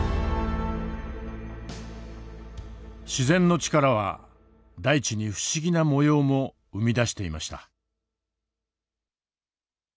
自然の力は大地に不思議な模様も生み出していました。